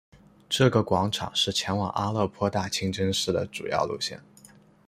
这个广场是前往阿勒颇大清真寺的主要路线。